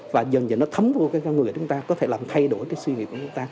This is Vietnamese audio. và dần dần nó thấm vô cái người của chúng ta có thể làm thay đổi cái suy nghĩ của người ta